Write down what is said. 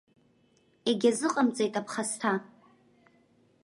Егьазыҟамҵеит аԥхасҭа.